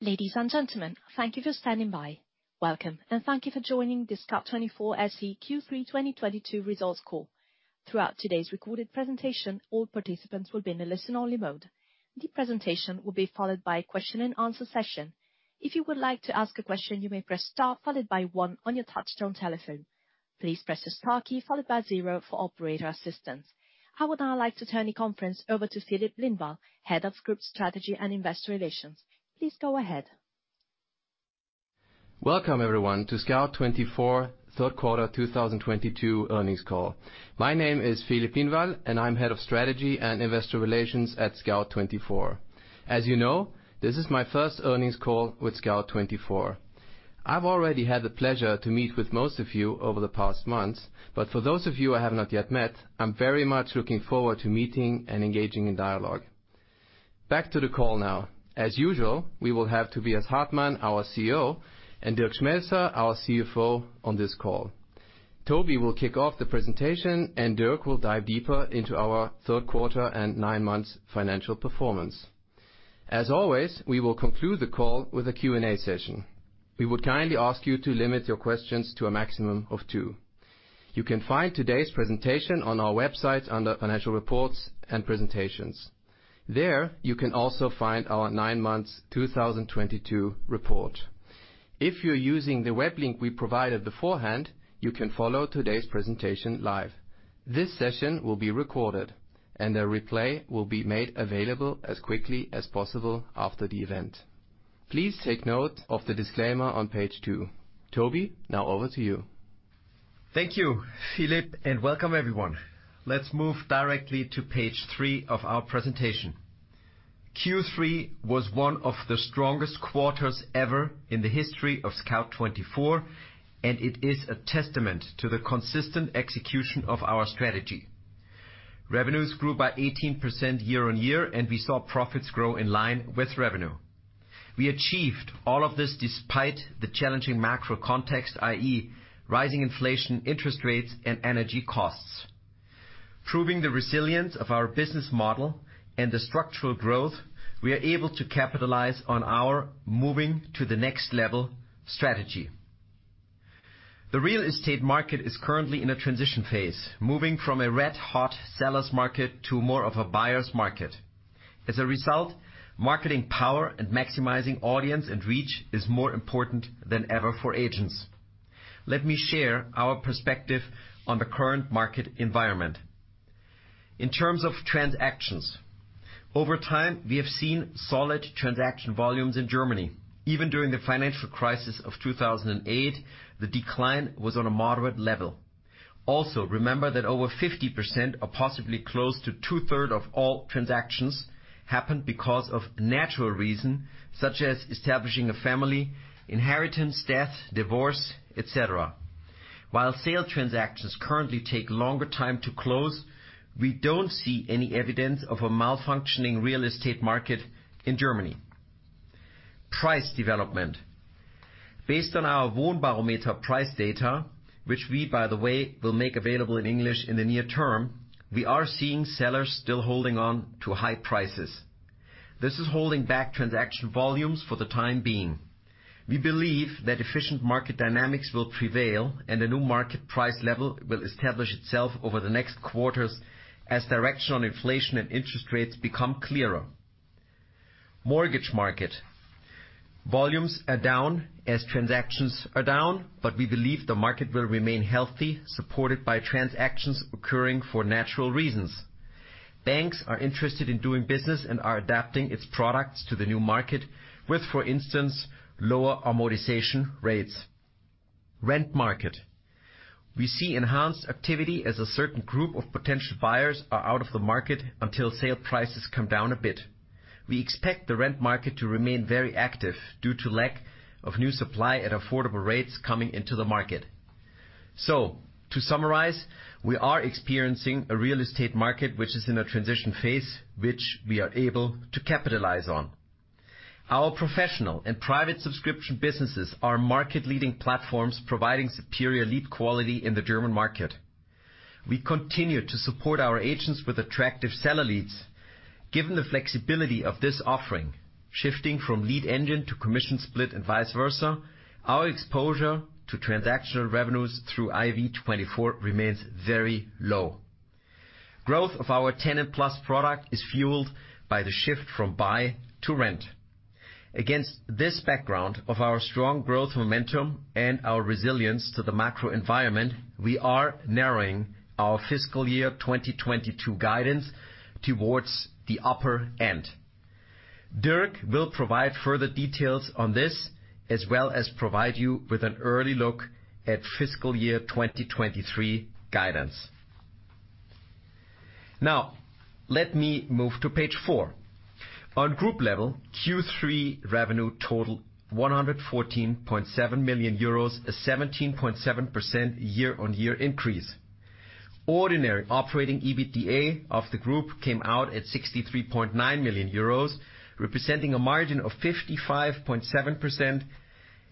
Ladies and gentlemen, thank you for standing by. Welcome, and thank you for joining the Scout24 SE Q3 2022 results call. Throughout today's recorded presentation, all participants will be in a listen-only mode. The presentation will be followed by a question-and-answer session. If you would like to ask a question, you may press star followed by one on your touchtone telephone. Please press the star key followed by zero for operator assistance. I would now like to turn the conference over to Filip Lindvall, Head of Group Strategy and Investor Relations. Please go ahead. Welcome, everyone, to Scout24 third quarter 2022 earnings call. My name is Filip Lindvall, and I'm head of Strategy and Investor Relations at Scout24. As you know, this is my first earnings call with Scout24. I've already had the pleasure to meet with most of you over the past months, but for those of you I have not yet met, I'm very much looking forward to meeting and engaging in dialogue. Back to the call now. As usual, we will have Tobias Hartmann, our CEO, and Dirk Schmelzer, our CFO, on this call. Toby will kick off the presentation, and Dirk will dive deeper into our third quarter and nine months financial performance. As always, we will conclude the call with a Q&A session. We would kindly ask you to limit your questions to a maximum of two. You can find today's presentation on our website under Financial Reports, and Presentations. There, you can also find our nine months 2022 report. If you're using the web link we provided beforehand, you can follow today's presentation live. This session will be recorded, and a replay will be made available as quickly as possible after the event. Please take note of the disclaimer on page two. Toby, now over to you. Thank you, Filip, and welcome, everyone. Let's move directly to page three of our presentation. Q3 was one of the strongest quarters ever in the history of Scout24, and it is a testament to the consistent execution of our strategy. Revenues grew by 18% year-on-year, and we saw profits grow in line with revenue. We achieved all of this despite the challenging macro context, i.e., rising inflation, interest rates, and energy costs. Proving the resilience of our business model, and the structural growth, we are able to capitalize on our Moving to the Next Level strategy. The real estate market is currently in a transition phase, moving from a red-hot seller's market to more of a buyer's market. As a result, marketing power and maximizing audience and reach is more important than ever for agents. Let me share our perspective on the current market environment. In terms of transactions, over time, we have seen solid transaction volumes in Germany. Even during the financial crisis of 2008, the decline was on a moderate level. Also, remember that over 50% or possibly close to two-thirds of all transactions, happened because of natural reason, such as establishing a family, inheritance, death, divorce, et cetera. While sale transactions currently take longer time to close, we don't see any evidence of a malfunctioning real estate market in Germany. Price development. Based on our Wohnbarometer price data, which we, by the way, will make available in English in the near term, we are seeing sellers still holding on to high prices. This is holding back transaction volumes for the time being. We believe that efficient market dynamics will prevail, and the new market price level will establish itself over the next quarters, as direction on inflation and interest rates become clearer. Mortgage market. Volumes are down as transactions are down, but we believe the market will remain healthy, supported by transactions occurring for natural reasons. Banks are interested in doing business and are adapting its products to the new market with, for instance, lower amortization rates. Rent market. We see enhanced activity as a certain group of potential buyers are out of the market until sale prices come down a bit. We expect the rent market to remain very active due to lack of new supply at affordable rates coming into the market. To summarize, we are experiencing a real estate market which is in a transition phase, which we are able to capitalize on. Our professional and private subscription businesses are market-leading platforms providing superior lead quality in the German market. We continue to support our agents with attractive seller leads. Given the flexibility of this offering, shifting from Lead Engine to commission split and vice versa, our exposure to transactional revenues through IV24 remains very low. Growth of our TenantPlus product is fueled by the shift from buy to rent. Against this background of our strong growth momentum, and our resilience to the macro environment, we are narrowing our fiscal year 2022 guidance towards the upper end. Dirk will provide further details on this, as well as provide you with an early look at fiscal year 2023 guidance. Now, let me move to page four. On group level, Q3 revenue totaled EUR 114.7 million, a 17.7% year-on-year increase. Ordinary operating EBITDA of the group came out at 63.9 million euros, representing a margin of 55.7%,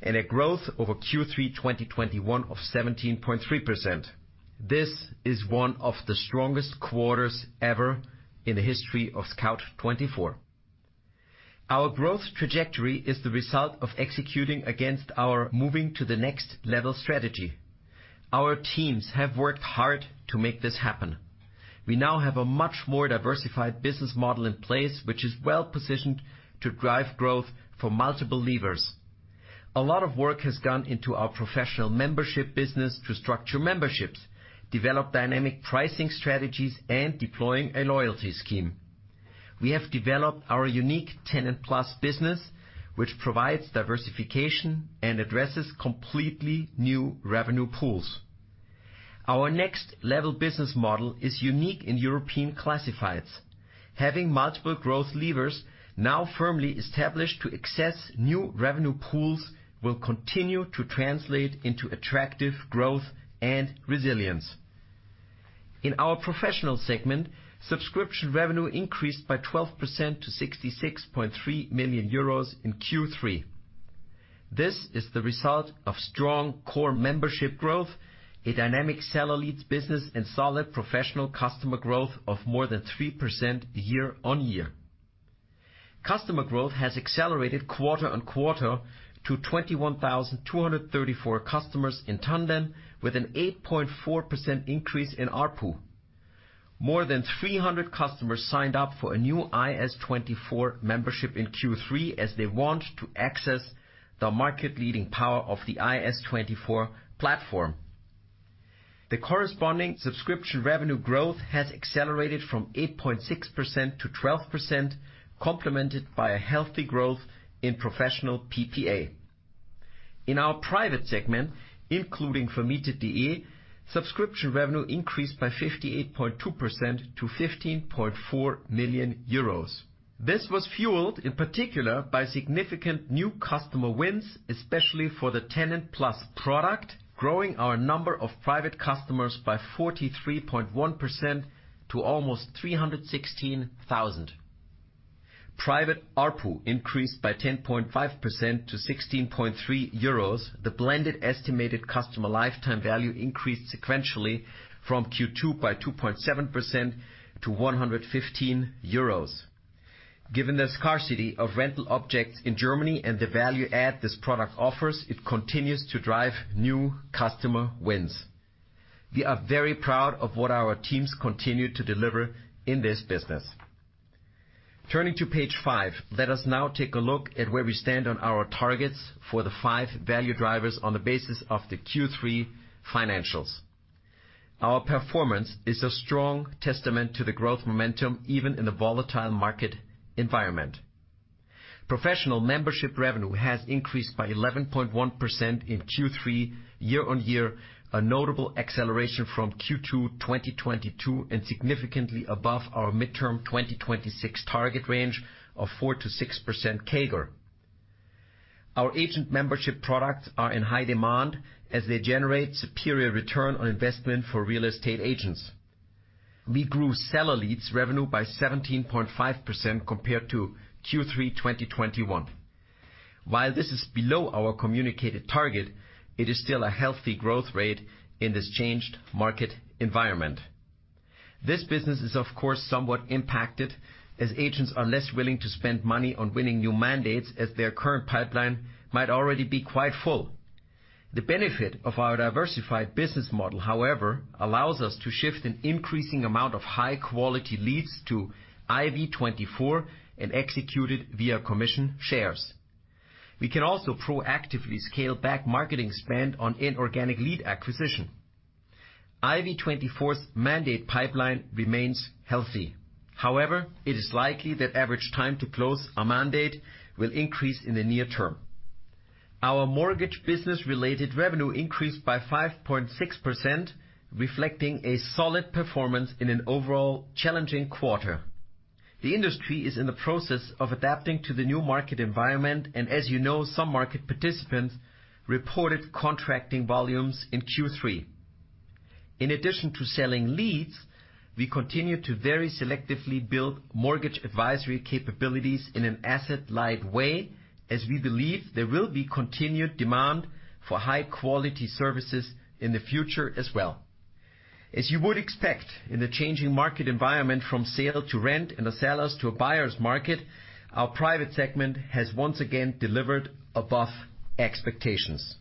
and a growth over Q3 2021 of 17.3%. This is one of the strongest quarters ever in the history of Scout24. Our growth trajectory is the result of executing against our moving to the next level strategy. Our teams have worked hard to make this happen. We now have a much more diversified business model in place, which is well positioned to drive growth for multiple levers. A lot of work has gone into our professional membership business to structure memberships, develop dynamic pricing strategies, and deploying a loyalty scheme. We have developed our unique Tenant Plus business, which provides diversification and addresses completely new revenue pools. Our next level business model is unique in European classifieds. Having multiple growth levers now firmly established to access new revenue pools, will continue to translate into attractive growth and resilience. In our professional segment, subscription revenue increased by 12% to 66.3 million euros in Q3. This is the result of strong core membership growth, a dynamic seller leads business, and solid professional customer growth of more than 3% year-on-year. Customer growth has accelerated quarter-over-quarter to 21,234 customers in tandem with an 8.4% increase in ARPU. More than 300 customers signed up for a new IS24 membership in Q3 as they want to access the market leading power of the IS24 platform. The corresponding subscription revenue growth has accelerated from 8.6% to 12%, complemented by a healthy growth in professional PPA. In our private segment, including Vermietet.de, subscription revenue increased by 58.2% to 15.4 million euros. This was fueled, in particular, by significant new customer wins, especially for the TenantPlus product, growing our number of private customers by 43.1% to almost 316,000. Private ARPU increased by 10.5% to 16.3 euros. The blended estimated customer lifetime value increased sequentially from Q2 by 2.7% to 115 euros. Given the scarcity of rental objects in Germany and the value add this product offers, it continues to drive new customer wins. We are very proud of what our teams continue to deliver in this business. Turning to page five, let us now take a look at where we stand on our targets for the five value drivers on the basis of the Q3 financials. Our performance is a strong testament to the growth momentum, even in the volatile market environment. Professional membership revenue has increased by 11.1% in Q3 year-on-year, a notable acceleration from Q2, 2022, and significantly above our midterm 2026 target range, of 4%-6% CAGR. Our agent membership products are in high demand as they generate superior return on investment for real estate agents. We grew seller leads revenue by 17.5% compared to Q3, 2021. While this is below our communicated target, it is still a healthy growth rate in this changed market environment. This business is of course somewhat impacted, as agents are less willing to spend money on winning new mandates as their current pipeline might already be quite full. The benefit of our diversified business model, however, allows us to shift an increasing amount of high quality leads to IV24, and executed via commission shares. We can also proactively scale back marketing spend on inorganic lead acquisition. IV24's mandate pipeline remains healthy. However, it is likely that average time to close a mandate will increase in the near term. Our mortgage business related revenue increased by 5.6%, reflecting a solid performance in an overall challenging quarter. The industry is in the process of adapting to the new market environment, and as you know, some market participants reported contracting volumes in Q3. In addition to selling leads, we continue to very selectively build mortgage advisory capabilities in an asset light way, as we believe there will be continued demand for high quality services in the future as well. As you would expect in the changing market environment from sale to rent in a seller's to a buyer's market, our private segment has once again delivered above expectations.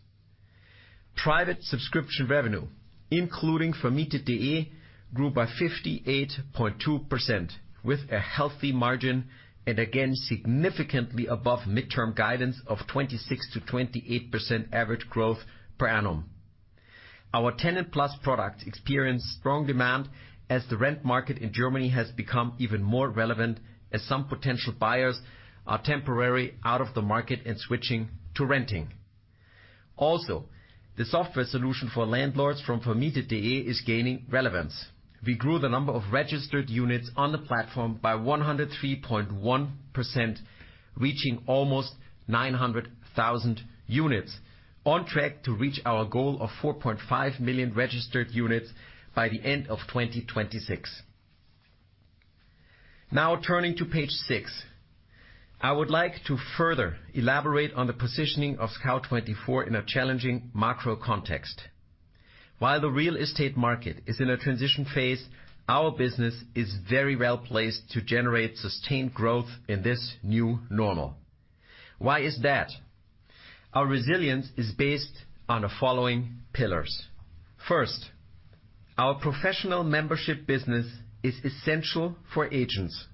Private subscription revenue, including Vermietet.de, grew by 58.2% with a healthy margin and again, significantly above midterm guidance of 26%-28% average growth per annum. Our TenantPlus product experienced strong demand as the rent market in Germany has become even more relevant, as some potential buyers are temporarily out of the market and switching to renting. Also, the software solution for landlords from Vermietet.de is gaining relevance. We grew the number of registered units on the platform by 103.1%, reaching almost 900,000 units. On track to reach our goal of 4.5 million registered units by the end of 2026. Now turning to page six. I would like to further elaborate on the positioning of Scout24 in a challenging macro context. While the real estate market is in a transition phase, our business is very well-placed to generate sustained growth in this new normal. Why is that? Our resilience is based on the following pillars. First, our professional membership business is essential for agents.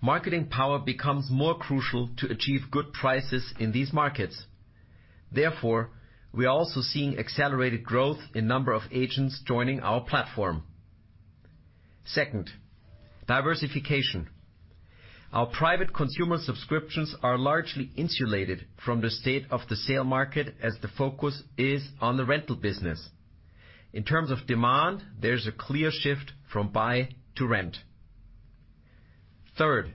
Marketing power becomes more crucial to achieve good prices in these markets. Therefore, we are also seeing accelerated growth in number of agents joining our platform. Second, diversification. Our private consumer subscriptions are largely insulated from the state of the sale market, as the focus is on the rental business. In terms of demand, there is a clear shift from buy to rent. Third,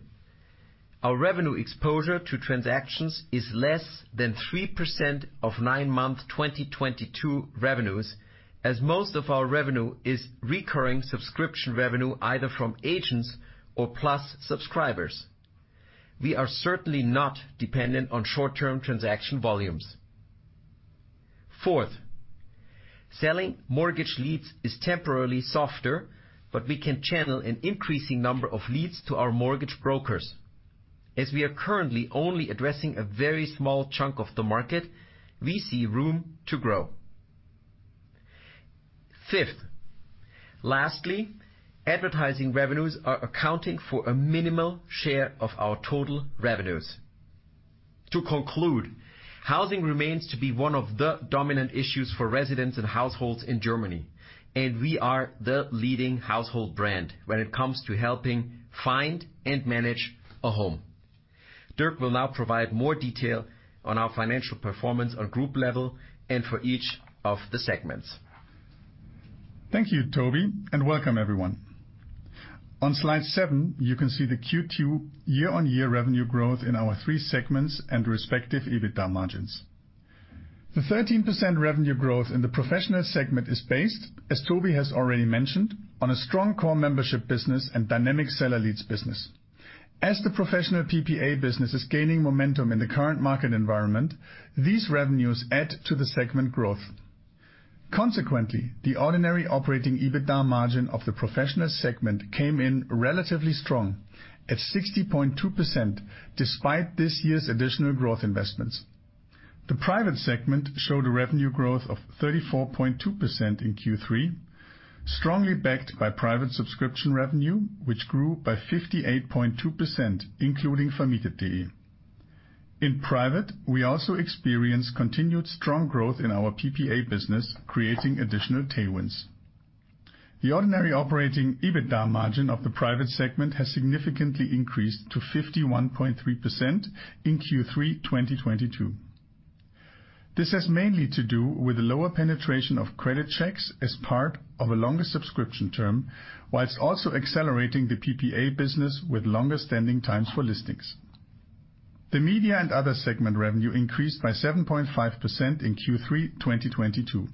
our revenue exposure to transactions is less than 3% of nine-month 2022 revenues, as most of our revenue is recurring subscription revenue, either from agents or Plus subscribers. We are certainly not dependent on short-term transaction volumes. Fourth, selling mortgage leads is temporarily softer, but we can channel an increasing number of leads to our mortgage brokers. As we are currently only addressing a very small chunk of the market, we see room to grow. Fifth, lastly, advertising revenues are accounting for a minimal share of our total revenues. To conclude, housing remains to be one of the dominant issues for residents and households in Germany, and we are the leading household brand when it comes to helping find and manage a home. Dirk will now provide more detail, on our financial performance on group level and for each of the segments. Thank you, Toby, and welcome, everyone. On slide seven, you can see the Q2 year-on-year revenue growth in our three segments and respective EBITDA margins. The 13% revenue growth in the professional segment is based, as Toby has already mentioned, on a strong core membership business and dynamic seller leads business. As the professional PPA business is gaining momentum in the current market environment, these revenues add to the segment growth. Consequently, the ordinary operating EBITDA margin of the professional segment came in relatively strong at 60.2% despite this year's additional growth investments. The private segment showed a revenue growth of 34.2% in Q3, strongly backed by private subscription revenue, which grew by 58.2%, including Vermietet.de. In private, we also experienced continued strong growth in our PPA business, creating additional tailwinds. The ordinary operating EBITDA margin of the private segment has significantly increased to 51.3% in Q3 2022. This has mainly to do with the lower penetration of credit checks as part of a longer subscription term, while also accelerating the PPA business with longer standing times for listings. The media and other segment revenue increased by 7.5% in Q3 2022.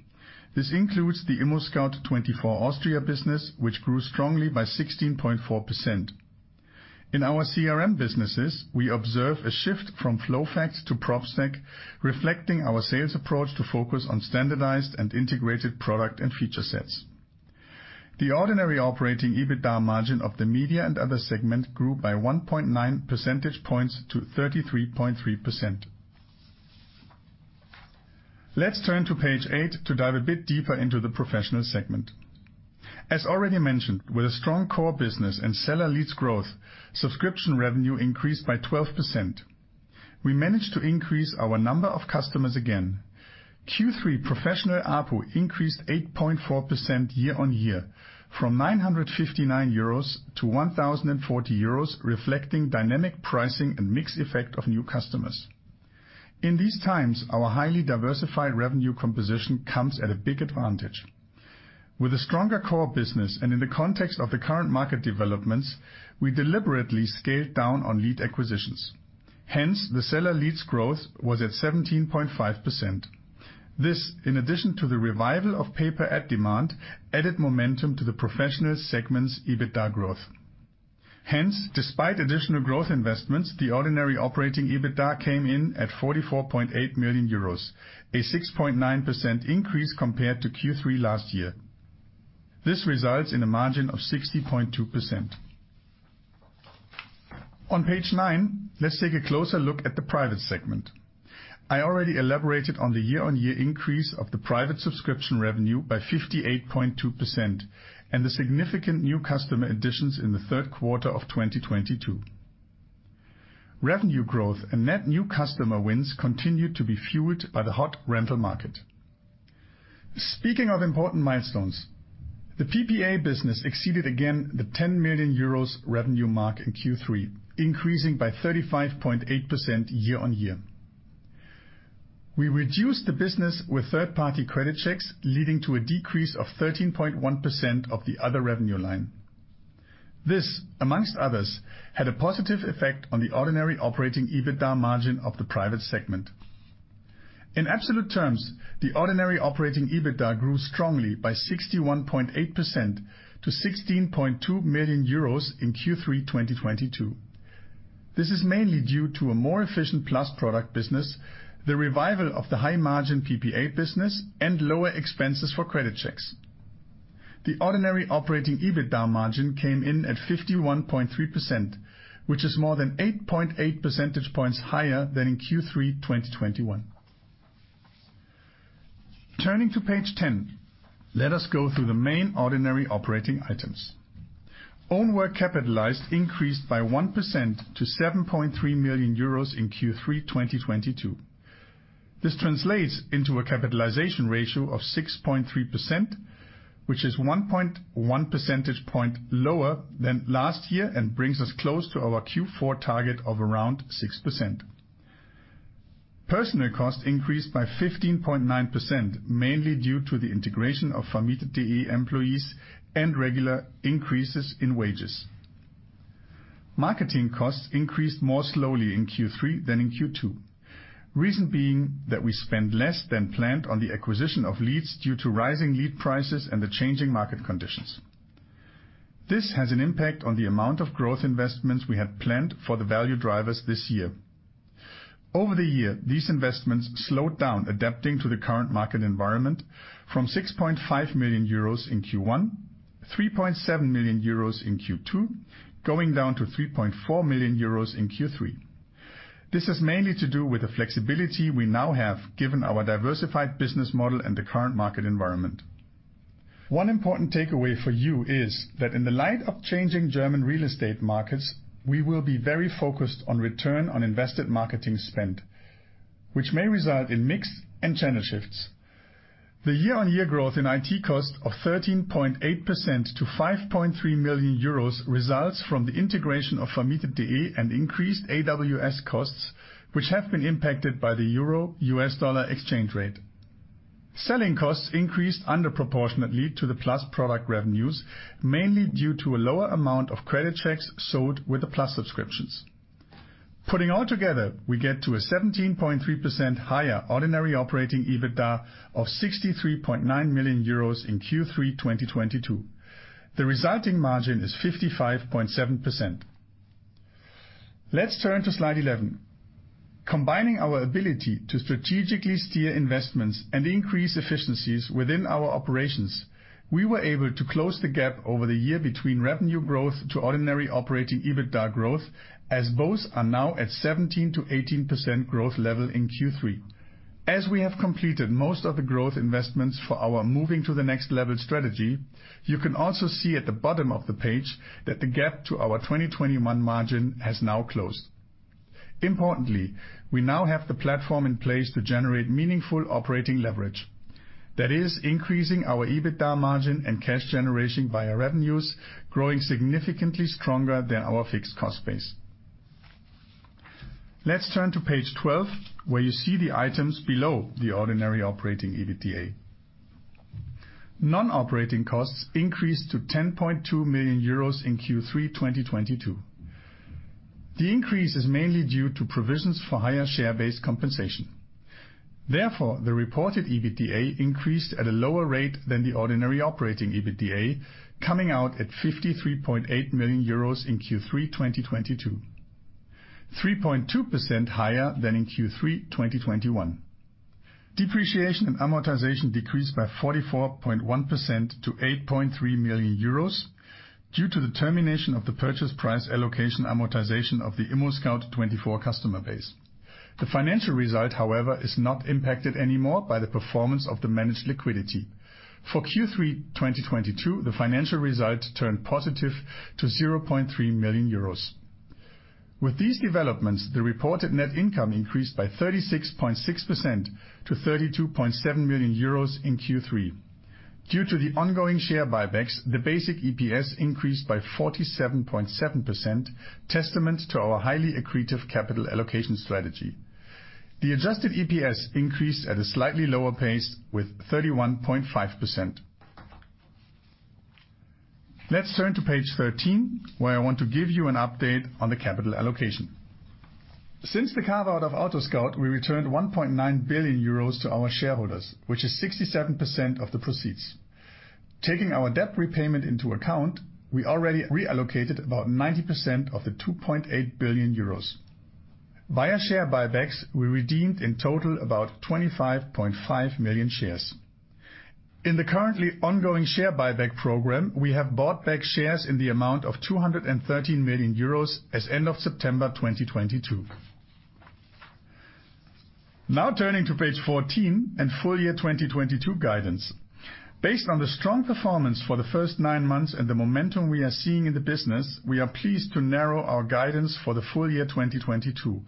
This includes the ImmoScout24 Austria business, which grew strongly by 16.4%. In our CRM businesses, we observe a shift from Flowfact to Propstack, reflecting our sales approach to focus on standardized and integrated product and feature sets. The ordinary operating EBITDA margin of the media and other segment grew by 1.9 percentage points to 33.3%. Let's turn to page eight to dive a bit deeper into the professional segment. As already mentioned, with a strong core business and seller leads growth, subscription revenue increased by 12%. We managed to increase our number of customers again. Q3 professional ARPU increased 8.4% year-on-year from 959 euros to 1,040 euros, reflecting dynamic pricing and mix effect of new customers. In these times, our highly diversified revenue composition comes at a big advantage. With a stronger core business and in the context of the current market developments, we deliberately scaled down on lead acquisitions. Hence, the seller leads growth was at 17.5%. This, in addition to the revival of pay per ad demand, added momentum to the professional segment's EBITDA growth. Hence, despite additional growth investments, the ordinary operating EBITDA came in at 44.8 million euros, a 6.9% increase compared to Q3 last year. This results in a margin of 60.2%. On page nine, let's take a closer look at the private segment. I already elaborated on the year-on-year increase of the private subscription revenue by 58.2%, and the significant new customer additions in the third quarter of 2022. Revenue growth and net new customer wins continued to be fueled by the hot rental market. Speaking of important milestones, the PPA business exceeded again the 10 million euros revenue mark in Q3, increasing by 35.8% year-on-year. We reduced the business with third-party credit checks, leading to a decrease of 13.1% of the other revenue line. This, among others, had a positive effect on the ordinary operating EBITDA margin of the private segment. In absolute terms, the ordinary operating EBITDA grew strongly by 61.8% to 16.2 million euros in Q3 2022. This is mainly due to a more efficient Plus product business, the revival of the high-margin PPA business, and lower expenses for credit checks. The ordinary operating EBITDA margin came in at 51.3%, which is more than 8.8 percentage points higher than in Q3 2021. Turning to page ten, let us go through the main ordinary operating items. Own work capitalized increased by 1% to 7.3 million euros in Q3 2022. This translates into a capitalization ratio of 6.3%, which is 1.1 percentage point lower than last year, and brings us close to our Q4 target of around 6%. Personnel costs increased by 15.9%, mainly due to the integration of Vermietet.de employees, and regular increases in wages. Marketing costs increased more slowly in Q3 than in Q2, reason being that we spent less than planned on the acquisition of leads due to rising lead prices and the changing market conditions. This has an impact on the amount of growth investments we had planned for the value drivers this year. Over the year, these investments slowed down adapting to the current market environment from 6.5 million euros in Q1, 3.7 million euros in Q2, going down to 3.4 million euros in Q3. This has mainly to do with the flexibility we now have given our diversified business model and the current market environment. One important takeaway for you is that in the light of changing German real estate markets, we will be very focused on return on invested marketing spend, which may result in mixed and channel shifts. The year-on-year growth in IT cost of 13.8% to 5.3 million euros results from the integration of Vermietet.de and increased AWS costs, which have been impacted by the EUR-US dollar exchange rate. Selling costs increased disproportionately to the Plus product revenues, mainly due to a lower amount of credit checks sold with the Plus subscriptions. Putting all together, we get to a 17.3% higher ordinary operating EBITDA of 63.9 million euros in Q3 2022. The resulting margin is 55.7%. Let's turn to slide 11. Combining our ability to strategically steer investments and increase efficiencies within our operations, we were able to close the gap over the year between revenue growth to ordinary operating EBITDA growth, as both are now at 17%-18% growth level in Q3. As we have completed most of the growth investments for our Moving to the Next Level strategy, you can also see at the bottom of the page that the gap to our 2021 margin has now closed. Importantly, we now have the platform in place to generate meaningful operating leverage. That is increasing our EBITDA margin and cash generation via revenues, growing significantly stronger than our fixed cost base. Let's turn to page 12, where you see the items below the ordinary operating EBITDA. Non-operating costs increased to 10.2 million euros in Q3 2022. The increase is mainly due to provisions for higher share-based compensation. Therefore, the reported EBITDA increased at a lower rate than the ordinary operating EBITDA, coming out at 53.8 million euros in Q3 2022, 3.2% higher than in Q3 2021. Depreciation and amortization decreased by 44.1% to 8.3 million euros due to the termination of the purchase price allocation amortization of the ImmoScout24 customer base. The financial result, however, is not impacted anymore by the performance of the managed liquidity. For Q3 2022, the financial result turned positive to 0.3 million euros. With these developments, the reported net income increased by 36.6% to 32.7 million euros in Q3. Due to the ongoing share buybacks, the basic EPS increased by 47.7%, testament to our highly accretive capital allocation strategy. The adjusted EPS increased at a slightly lower pace, with 31.5%. Let's turn to page 13, where I want to give you an update on the capital allocation. Since the carve-out of AutoScout24, we returned 1.9 billion euros to our shareholders, which is 67% of the proceeds. Taking our debt repayment into account, we already reallocated about 90% of the 2.8 billion euros. Via share buybacks, we redeemed in total about 25.5 million shares. In the currently ongoing share buyback program, we have bought back shares in the amount of 213 million euros as of end of September 2022. Now turning to page 14 and full year 2022 guidance. Based on the strong performance for the first nine months and the momentum we are seeing in the business, we are pleased to narrow our guidance for the full year 2022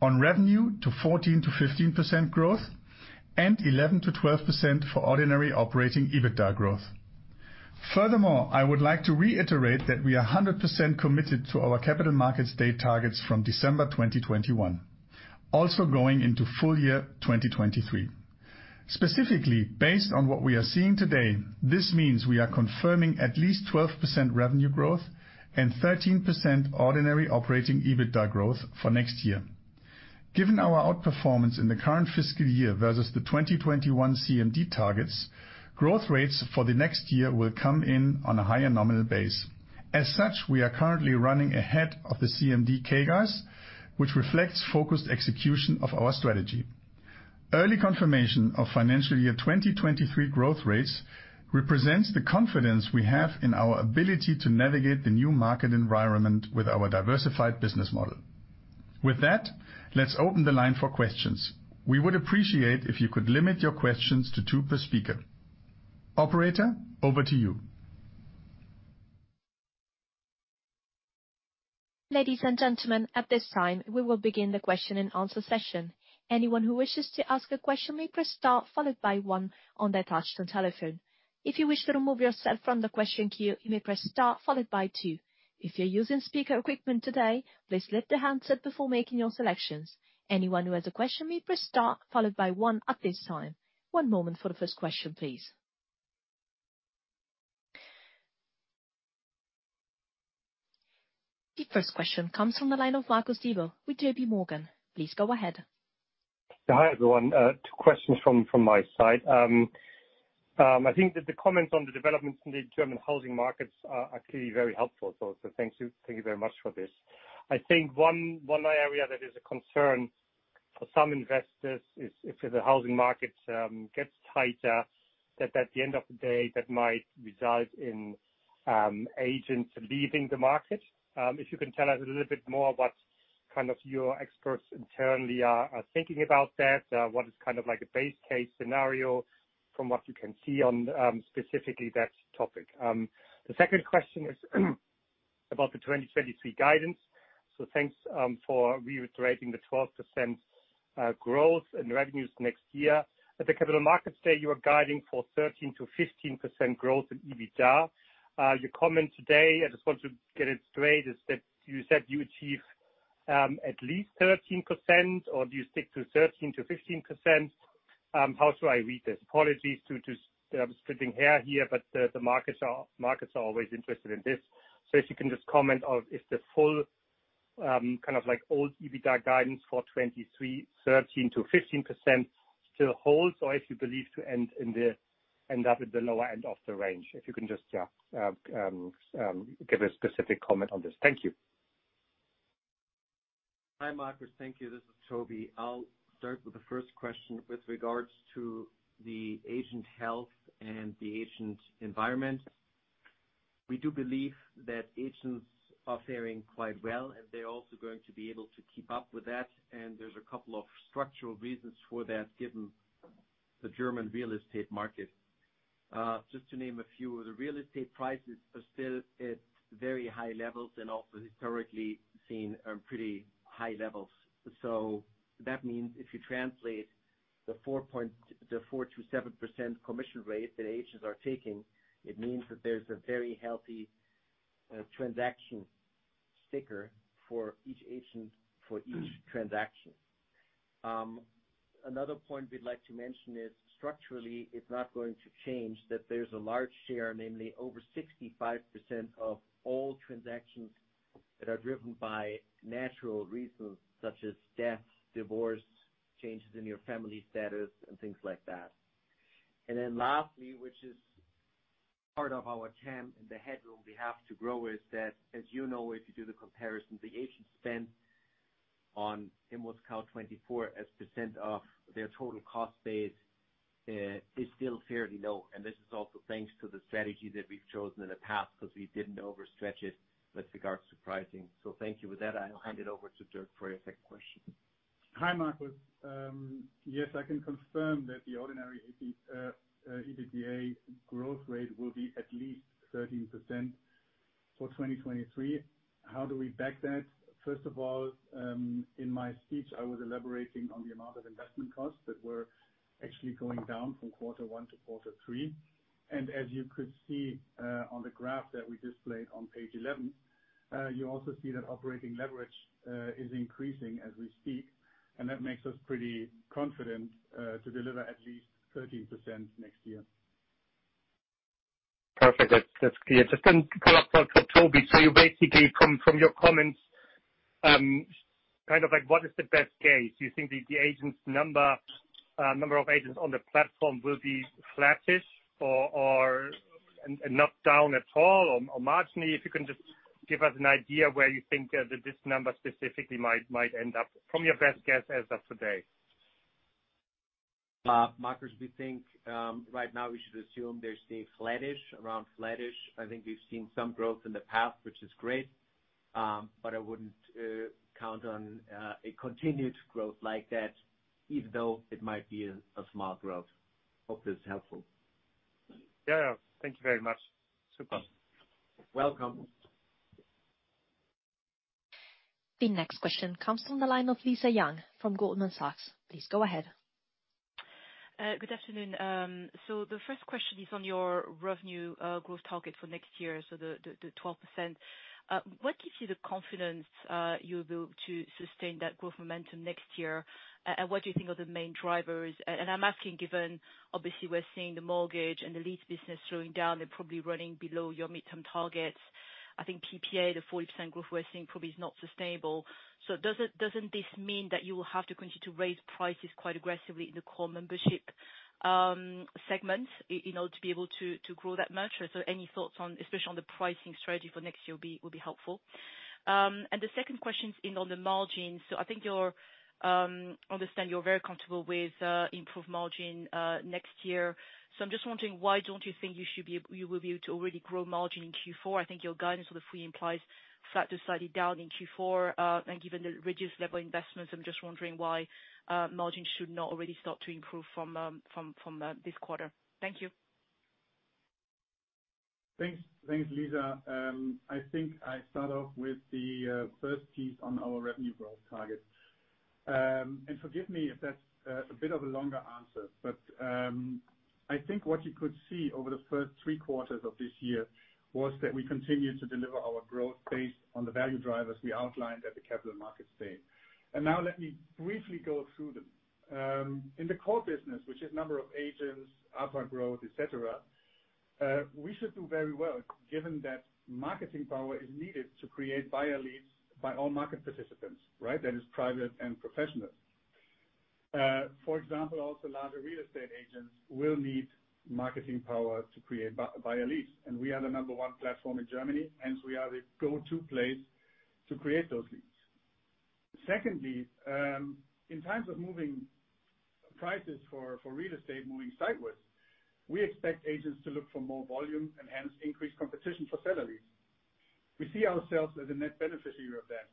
on revenue to 14%-15% growth, and 11%-12% for ordinary operating EBITDA growth. Furthermore, I would like to reiterate that we are 100% committed to our Capital Markets Day targets from December 2021, also going into full year 2023. Specifically, based on what we are seeing today, this means we are confirming at least 12% revenue growth, and 13% ordinary operating EBITDA growth for next year. Given our outperformance in the current fiscal year versus the 2021 CMD targets, growth rates for the next year will come in on a higher nominal base. As such, we are currently running ahead of the CMD CAGR, which reflects focused execution of our strategy. Early confirmation of financial year 2023 growth rates represents the confidence we have in our ability to navigate the new market environment with our diversified business model. With that, let's open the line for questions. We would appreciate if you could limit your questions to two per speaker. Operator, over to you. Ladies and gentlemen, at this time, we will begin the question-and-answer session. Anyone who wishes to ask a question may press star followed by one on their touch-tone telephone. If you wish to remove yourself from the question queue, you may press star followed by two. If you're using speaker equipment today, please lift the handset before making your selections. Anyone who has a question may press star followed by one at this time. One moment for the first question, please. The first question comes from the line of Marcus Diebel with JPMorgan. Please go ahead. Hi, everyone. Two questions from my side. I think that the comments on the developments in the German housing markets are actually very helpful. Thank you very much for this. I think one area that is a concern for some investors is if the housing market gets tighter, that at the end of the day, that might result in agents leaving the market. If you can tell us a little bit more what kind of your experts internally are thinking about that? What is kind of like a base case scenario from what you can see on specifically that topic. The second question is about the 2023 guidance. Thanks for reiterating the 12% growth in revenues next year. At the Capital Markets Day, you are guiding for 13%-15% growth in EBITDA. Your comment today, I just want to get it straight, is that you said you achieve at least 13% or do you stick to 13%-15%? How should I read this? Apologies for just splitting hairs here, but the markets are always interested in this. If you can just comment on if the full kind of like old EBITDA guidance for 2023, 13%-15% still holds, or if you believe you end up at the lower end of the range. If you can just give a specific comment on this. Thank you. Hi, Marcus. Thank you. This is Toby. I'll start with the first question with regards to the agent health, and the agent environment. We do believe that agents are faring quite well, and they're also going to be able to keep up with that. There's a couple of structural reasons for that given the German real estate market. Just to name a few, the real estate prices are still at very high levels and also historically seen, pretty high levels. That means if you translate the 4%-7% commission rate that agents are taking, it means that there's a very healthy transaction sticker for each agent for each transaction. Another point we'd like to mention is, structurally it's not going to change that there's a large share, namely over 65% of all transactions that are driven by natural reasons such as death, divorce, changes in your family status, and things like that. Lastly, which is part of our TAM and the headroom we have to grow is that, as you know, if you do the comparison, the agent spend on ImmoScout24 as percent of their total cost base is still fairly low. This is also thanks to the strategy that we've chosen in the past because we didn't overstretch it, with regards to pricing. Thank you. With that, I'll hand it over to Dirk for your second question. Hi, Marcus. Yes, I can confirm that the ordinary EBITDA growth rate will be at least 13% for 2023. How do we back that? First of all, in my speech, I was elaborating on the amount of investment costs that were actually going down from quarter one to quarter three. As you could see, on the graph that we displayed on page 11, you also see that operating leverage is increasing as we speak. That makes us pretty confident to deliver at least 13% next year. Perfect. That's clear. Just then a follow-up for Toby. You basically from your comments, kind of like what is the best case? Do you think the number of agents on the platform will be flattish or not down at all or marginally? If you can just give us an idea where you think this number specifically might end up from your best guess as of today. Marcus, we think right now we should assume they're staying flattish, around flattish. I think we've seen some growth in the past, which is great, but I wouldn't count on a continued growth like that, even though it might be a small growth. Hope this is helpful. Yeah. Thank you very much. Super. Welcome. The next question comes from the line of Lisa Yang from Goldman Sachs. Please go ahead. Good afternoon. The first question is on your revenue growth target for next year, the 12%. What gives you the confidence you'll be able to sustain that growth momentum next year? What do you think are the main drivers? I'm asking given obviously we're seeing the mortgage and the lease business slowing down. They're probably running below your midterm targets. I think PPA, the 40% growth we're seeing probably is not sustainable. Doesn't this mean that you will have to continue to raise prices quite aggressively in the core membership, segments in order to be able to grow that much? Any thoughts on, especially on the pricing strategy for next year will be helpful. The second question is on the margin. I think you understand you're very comfortable with improved margin next year. I'm just wondering why don't you think you will be able to already grow margin in Q4? I think your guidance for the three implies flat to slightly down in Q4. Given the reduced level investments, I'm just wondering why margins should not already start to improve from this quarter. Thank you. Thanks. Thanks, Lisa. I think I start off with the first piece on our revenue growth target. Forgive me if that's a bit of a longer answer. I think what you could see over the first three quarters of this year was that we continued to deliver our growth based on the value drivers we outlined at the Capital Markets Day. Now let me briefly go through them. In the core business, which is number of agents, ARPU growth, et cetera, we should do very well given that marketing power is needed to create buyer leads by all market participants, right? That is private and professionals. For example, also larger real estate agents will need marketing power to create buyer leads. We are the number one platform in Germany, hence we are the go-to place to create those leads. Secondly, in times of moving prices for real estate moving sideways, we expect agents to look for more volume and hence increase competition for seller leads. We see ourselves as a net beneficiary of that.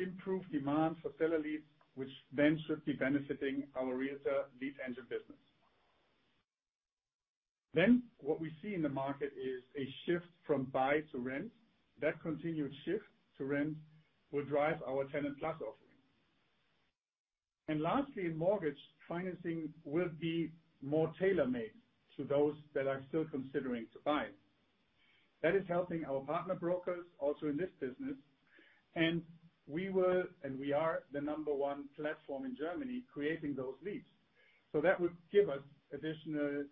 Improved demand for seller leads, which then should be benefiting our Realtor Lead Engine business. Then, what we see in the market is a shift from buy to rent. That continued shift to rent will drive our TenantPlus offering. Lastly, in mortgage financing will be more tailor-made to those that are still considering to buy. That is helping our partner brokers also in this business, and we are the number one platform in Germany creating those leads. That would give us additional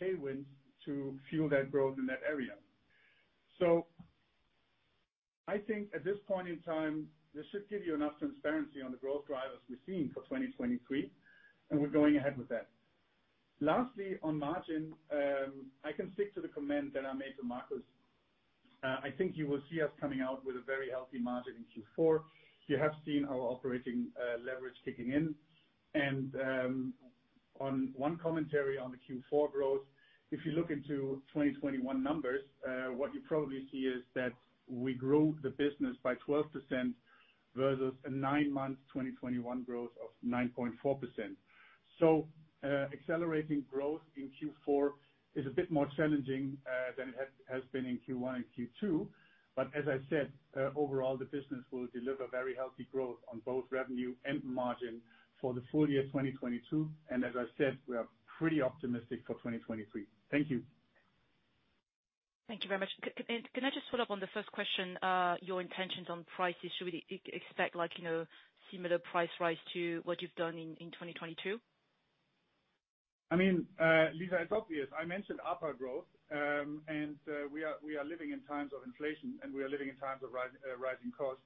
tailwinds to fuel that growth in that area. I think at this point in time, this should give you enough transparency on the growth drivers we're seeing for 2023, and we're going ahead with that. Lastly, on margin, I can stick to the comment that I made to Marcus. I think you will see us coming out with a very healthy margin in Q4. You have seen our operating leverage kicking in. On one commentary on the Q4 growth, if you look into 2021 numbers, what you probably see is that we grew the business by 12%, versus a nine-month 2021 growth of 9.4%. Accelerating growth in Q4 is a bit more challenging than it has been in Q1 and Q2. As I said, overall the business will deliver very healthy growth on both revenue and margin for the full year 2022. As I said, we are pretty optimistic for 2023. Thank you. Thank you very much. Can I just follow up on the first question, your intentions on prices? Should we expect like, you know, similar price rise to what you've done in 2022? I mean, Lisa, it's obvious. I mentioned upward growth, and we are living in times of inflation, and we are living in times of rising costs.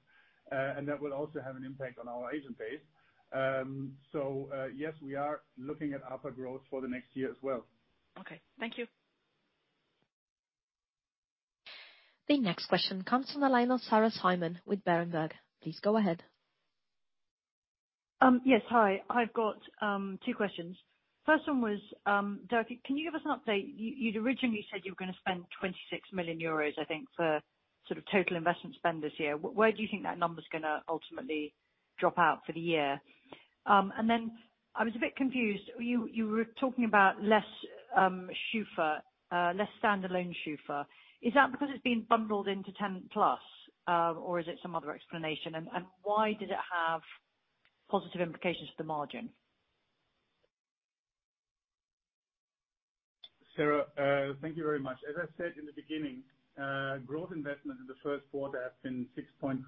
That will also have an impact on our agent base. Yes, we are looking at upward growth for the next year as well. Okay. Thank you. The next question comes from the line of Sarah Simon with Berenberg. Please go ahead. Yes. Hi. I've got two questions. First one was, Dirk, can you give us an update? You'd originally said you were gonna spend 26 million euros, I think, for sort of total investment spend this year. Where do you think that number's gonna ultimately drop out for the year? And then I was a bit confused. You were talking about less SCHUFA, less standalone SCHUFA. Is that because it's been bundled into TenantPlus, or is it some other explanation? And why did it have positive implications for the margin? Sarah, thank you very much. As I said in the beginning, growth investment in the first quarter has been 6.5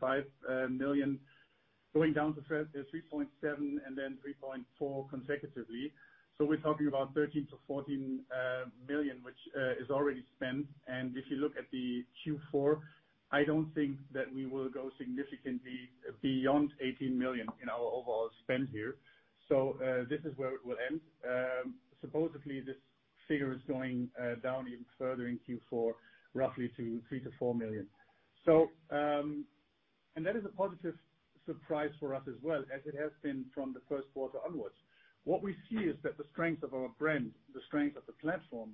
million, going down to 3.7 million, and then 3.4 million consecutively. We're talking about 13-14 million, which is already spent. If you look at the Q4, I don't think that we will go significantly beyond 18 million in our overall spend here. This is where it will end. Supposedly this figure is going down even further in Q4, roughly to 3-4 million. That is a positive surprise for us as well, as it has been from the first quarter onwards. What we see is that the strength of our brand, the strength of the platform,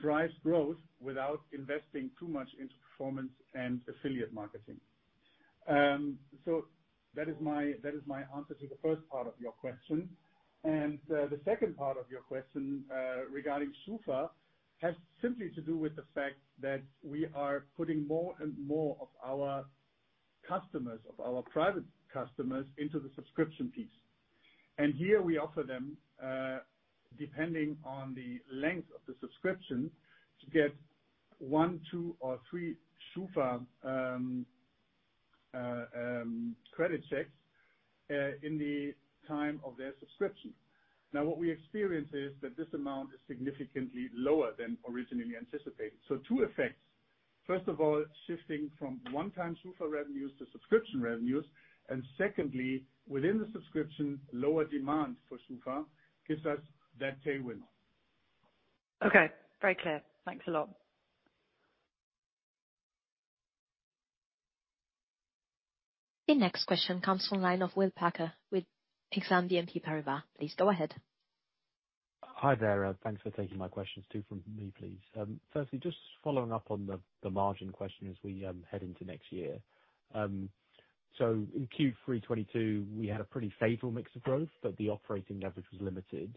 drives growth without investing too much into performance and affiliate marketing. That is my answer to the first part of your question. The second part of your question, regarding SCHUFA, has simply to do with the fact that we are putting more and more of our customers, of our private customers, into the subscription piece. Here we offer them, depending on the length of the subscription, to get one, two, or three SCHUFA credit checks in the time of their subscription. Now, what we experience is that this amount is significantly lower than originally anticipated. Two effects. First of all, shifting from one-time SCHUFA revenues to subscription revenues, and secondly, within the subscription, lower demand for SCHUFA gives us that tailwind. Okay, very clear. Thanks a lot. The next question comes from the line of William Packer with Exane BNP Paribas. Please go ahead. Hi there. Thanks for taking my questions. Two from me, please. Firstly, just following up on the margin question as we head into next year. In Q3 2022, we had a pretty favorable mix of growth, but the operating leverage was limited.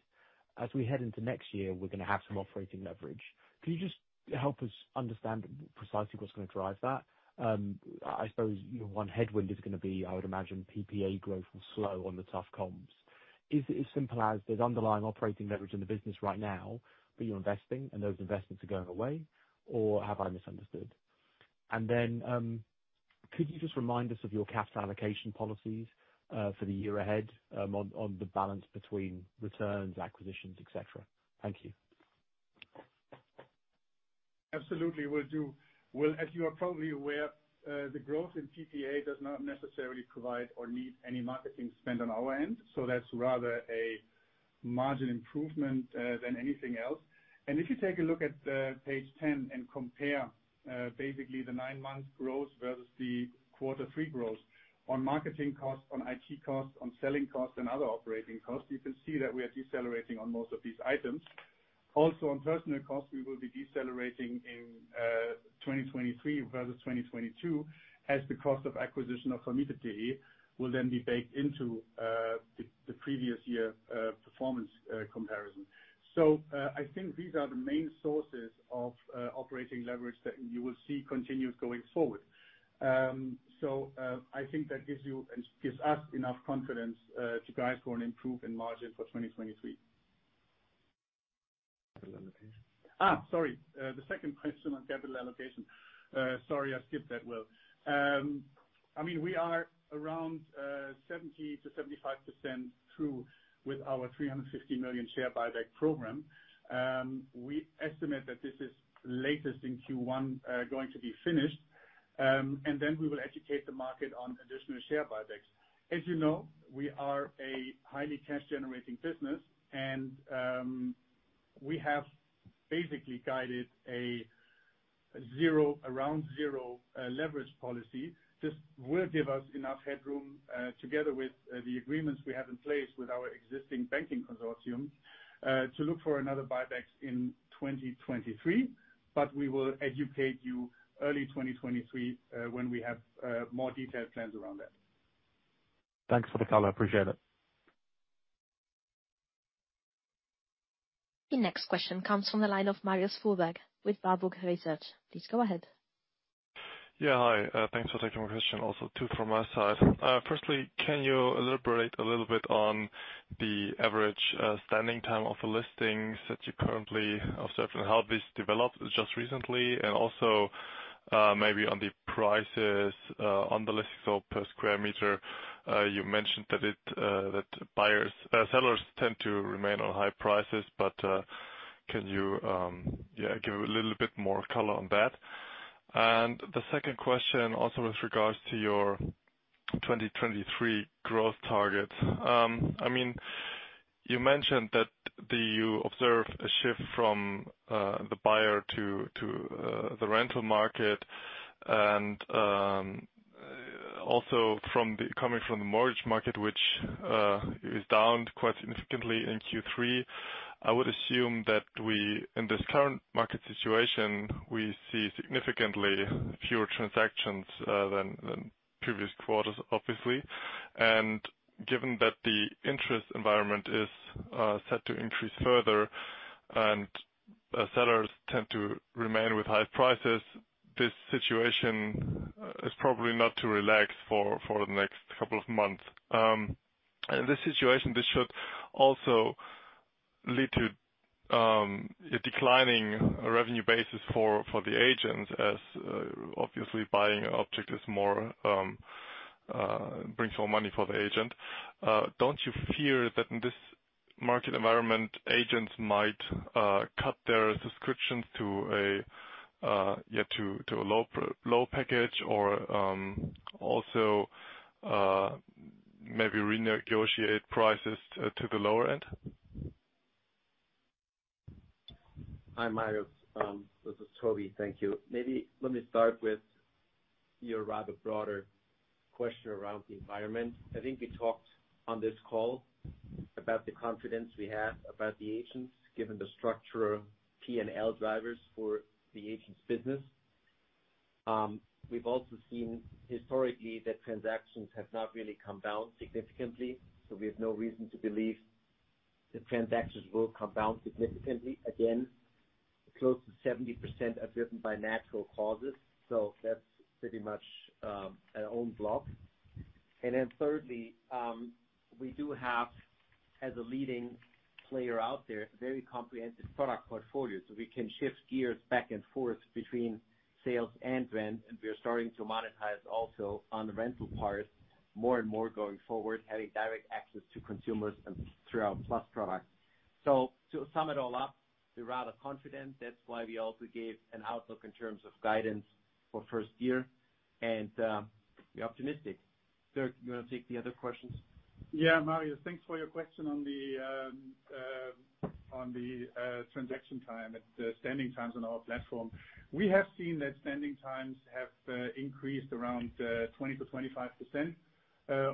As we head into next year, we're gonna have some operating leverage. Can you just help us understand precisely what's gonna drive that? I suppose one headwind is gonna be, I would imagine PPA growth will slow on the tough comps. Is it as simple as there's underlying operating leverage in the business right now, but you're investing and those investments are going away? Or have I misunderstood? Could you just remind us of your capital allocation policies, for the year ahead, on the balance between returns, acquisitions, et cetera? Thank you. Absolutely. Will do. Will, as you are probably aware, the growth in PPA does not necessarily provide or need any marketing spend on our end, so that's rather a margin improvement than anything else. If you take a look at page 10 and compare, basically the nine-month growth versus the quarter three growth on marketing costs, on IT costs, on selling costs, and other operating costs, you can see that we are decelerating on most of these items. Also, on personnel costs, we will be decelerating in 2023 versus 2022 as the cost of acquisition of Will then be baked into the previous year performance comparison. I think these are the main sources of operating leverage that you will see continue going forward. I think that gives you and gives us enough confidence to guide for an improvement in margin for 2023. Capital allocation. Sorry. The second question on capital allocation. Sorry, I skipped that, Will. I mean, we are around 70%-75% through with our 350 million share buyback program. We estimate that this is latest in Q1 going to be finished, and then we will educate the market on additional share buybacks. As you know, we are a highly cash-generating business and we have basically guided, around zero leverage policy. This will give us enough headroom together with the agreements we have in place with our existing banking consortium to look for another buybacks in 2023, but we will educate you early 2023 when we have more detailed plans around that. Thanks for the color. Appreciate it. The next question comes from the line of Marius Fuhrberg with Warburg Research. Please go ahead. Yeah. Hi. Thanks for taking my question also too from my side. Firstly, can you elaborate a little bit on the average standing time of the listings that you currently observe, and how this developed just recently, and also maybe on the prices on the listings or per square meter. You mentioned that sellers tend to remain on high prices, but can you give a little bit more color on that? The second question also with regards to your 2023 growth target. I mean, you mentioned that you observe a shift from, the buyer to the rental market and coming from the mortgage market, which is down quite significantly in Q3. I would assume that we, in this current market situation, we see significantly fewer transactions than previous quarters, obviously. Given that the interest environment is set to increase further and sellers tend to remain with high prices, this situation is probably not to relax for the next couple of months. In this situation, this should also lead to a declining revenue basis for the agents as obviously buying an object is more brings more money for the agent. Don't you fear that in this market environment, agents might cut their subscriptions to a to a low low package or also maybe renegotiate prices to the lower end? Hi, Marius. This is Toby. Thank you. Maybe let me start with your rather broader question around the environment. I think we talked on this call, about the confidence we have about the agents, given the structure of P&L drivers for the agents business. We've also seen historically that transactions have not really come down significantly, so we have no reason to believe the transactions will come down significantly. Again, close to 70% are driven by natural causes, so that's pretty much our own block. Then thirdly, we do have, as a leading player out there, a very comprehensive product portfolio, so we can shift gears back and forth between sales and rent, and we are starting to monetize also on the rental part more and more going forward, having direct access to consumers and through our Plus product. To sum it all up, we're rather confident. That's why we also gave an outlook in terms of guidance for first year, and we're optimistic. Dirk, you wanna take the other questions? Yeah, Marius, thanks for your question on the transaction time and the standing times on our platform. We have seen that standing times have increased around 20-25%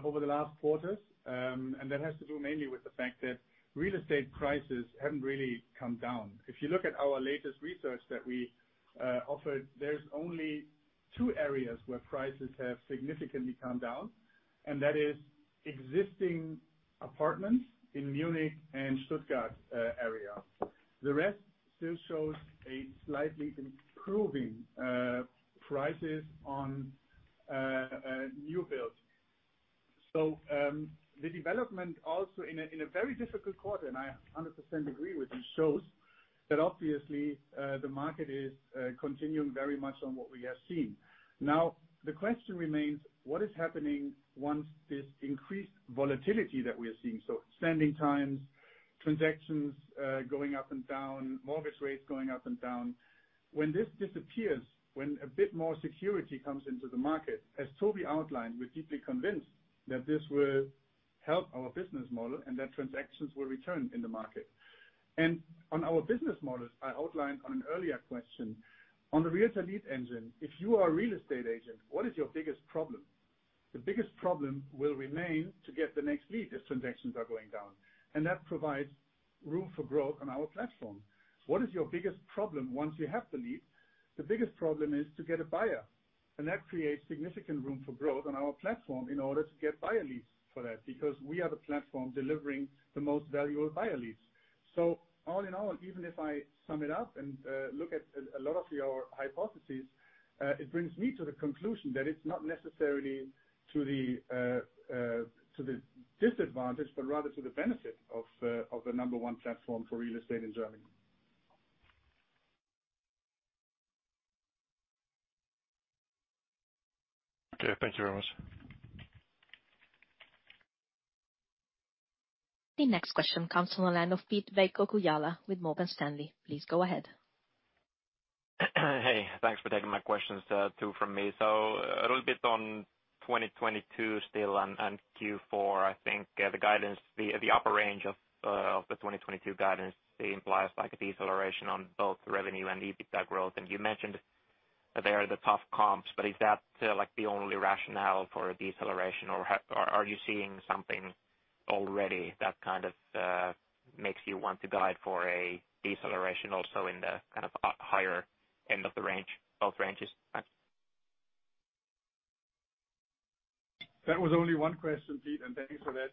over the last quarters. That has to do mainly with the fact that real estate prices haven't really come down. If you look at our latest research that we offered, there's only two areas where prices have significantly come down, and that is existing apartments, in Munich and Stuttgart area. The rest still shows a slightly improving prices on new builds. The development also in a very difficult quarter, and I 100% agree with you, shows that obviously the market is continuing very much on what we have seen. Now, the question remains, what is happening once this increased volatility that we are seeing? Stagnant times, transactions going up and down, mortgage rates going up and down. When this disappears, when a bit more security comes into the market, as Toby outlined, we're deeply convinced that this will help our business model, and that transactions will return in the market. On our business models, I outlined on an earlier question, on the Realtor Lead Engine, if you are a real estate agent, what is your biggest problem? The biggest problem will remain to get the next lead if transactions are going down. That provides room for growth on our platform. What is your biggest problem once you have the lead? The biggest problem is to get a buyer. That creates significant room for growth on our platform in order to get buyer leads for that, because we are the platform delivering the most valuable buyer leads. All in all, even if I sum it up and look at a lot of your hypotheses, it brings me to the conclusion that it's not necessarily to the disadvantage, but rather to the benefit of the number one platform for real estate in Germany. Okay, thank you very much. The next question comes from the line of Pete Kujala with Morgan Stanley. Please go ahead. Hey, thanks for taking my questions, two from me. A little bit on 2022 still and Q4. I think the guidance, the upper range of the 2022 guidance implies like a deceleration on both revenue and EBITDA growth. And you mentioned that there are the tough comps, but is that like the only rationale for a deceleration, or are you seeing something already that kind of makes you want to guide for a deceleration also in the kind of higher end of the range, both ranges? Thanks. That was only one question, Pete, and thanks for that.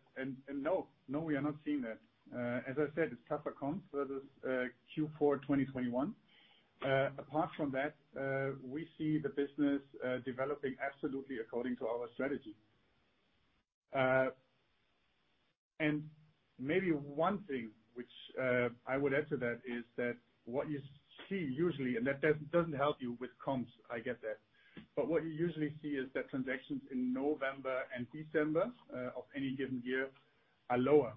We are not seeing that. As I said, it's tougher comps versus Q4 2021. Apart from that, we see the business developing absolutely according to our strategy. Maybe one thing, which I would add to that is that what you see usually, and that doesn't help you with comps, I get that. What you usually see is that transactions in November and December, of any given year are lower.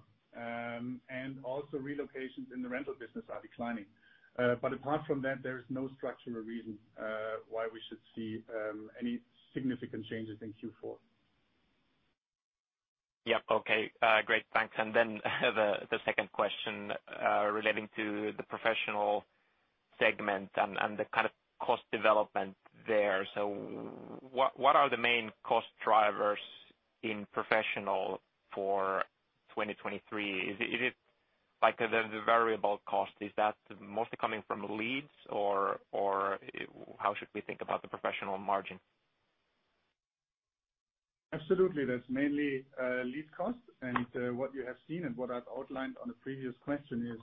Also relocations in the rental business are declining. Apart from that, there is no structural reason why we should see any significant changes in Q4. Yeah. Okay. Great, thanks. Then the second question relating to the professional segment and the kind of cost development there. What are the main cost drivers in professional for 2023? Is it like the variable cost? Is that mostly coming from leads or how should we think about the professional margin? Absolutely. That's mainly lead costs. What you have seen and what I've outlined on a previous question is,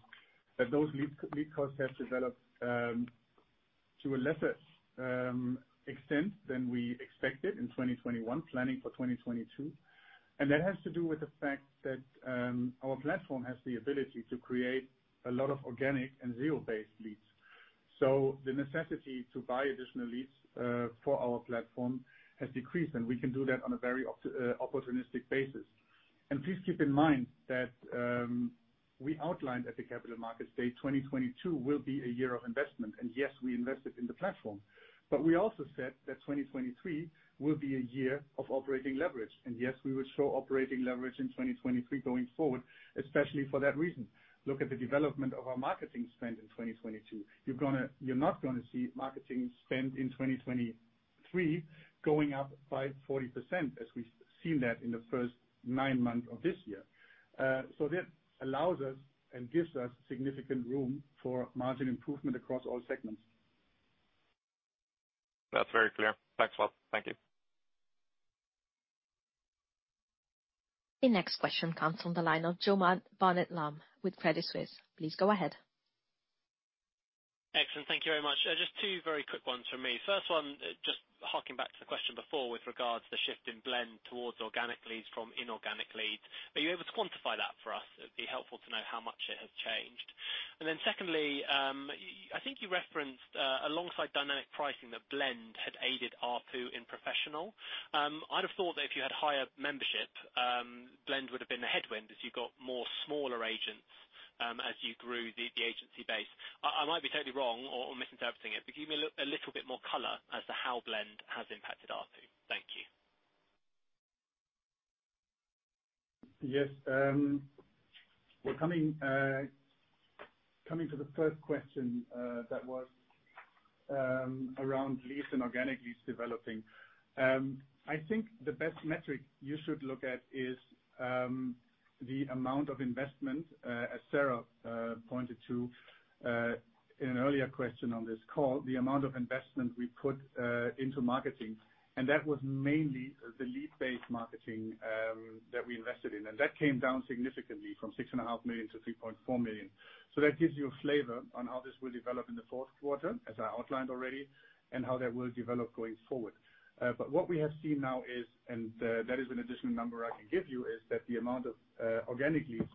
that those lead costs have developed to a lesser extent than we expected in 2021 planning for 2022. That has to do with the fact that our platform has the ability to create a lot of organic and zero-based leads. The necessity to buy additional leads for our platform has decreased, and we can do that on a very opportunistic basis. Please keep in mind that we outlined at the Capital Markets Day, 2022 will be a year of investment. Yes, we invested in the platform. We also said that 2023 will be a year of operating leverage. Yes, we will show operating leverage in 2023 going forward, especially for that reason. Look at the development of our marketing spend in 2022. You're not gonna see marketing spend in 2023 going up by 40% as we've seen that in the first nine months of this year. That allows us and gives us significant room for margin improvement across all segments. That's very clear. Thanks a lot. Thank you. The next question comes from the line of Joseph Barnet-Lamb with Credit Suisse. Please go ahead. Excellent. Thank you very much. Just two very quick ones from me. First one, just harking back to the question before with regards to the shift in blend towards organic leads from inorganic leads. Are you able to quantify that for us? It'd be helpful to know how much it has changed. Secondly, I think you referenced, alongside dynamic pricing, that Blend had aided ARPU in professional. I'd have thought that if you had higher membership, Blend would have been a headwind as you got more smaller agents, as you grew the agency base. I might be totally wrong or misinterpreting it, but give me a little bit more color as to how Blend has impacted ARPU. Thank you. Yes. We're coming to the first question, that was around leads and organic leads developing. I think the best metric you should look at is the amount of investment, as Sarah pointed to, in an earlier question on this call. The amount of investment we put into marketing, and that was mainly the lead-based marketing that we invested in. That came down significantly from 6.5 million to 3.4 million. That gives you a flavor on how this will develop in the fourth quarter, as I outlined already, and how that will develop going forward. What we have seen now is that is an additional number I can give you, is that the amount of organic leads